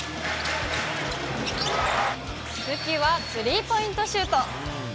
武器はスリーポイントシュート。